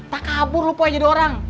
tak kabur lupa jadi orang